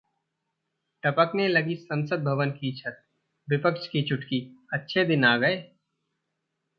टपकने लगी संसद भवन की छत, विपक्ष की चुटकी, 'अच्छे दिन आ गए'